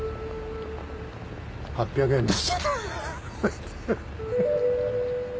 ８００円です。